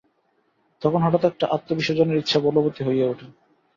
তখন হঠাৎ একটা আত্মবিসর্জনের ইচ্ছা বলবতী হইয়া উঠে।